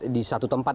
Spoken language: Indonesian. di satu tempat